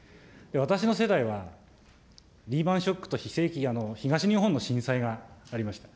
私の世代は、リーマンショックと東日本の震災がありました。